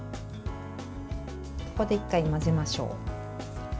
ここで１回混ぜましょう。